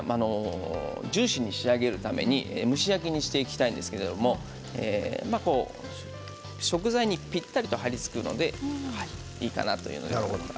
ジューシーに仕上げるために蒸し焼きにしていただきたいんですが食材にぴったりと張り付くのでいいかなと。